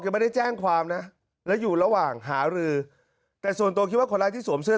ไม่ได้แจ้งความนะและอยู่ระหว่างหารือแต่ส่วนตัวคิดว่าคนร้ายที่สวมเสื้อ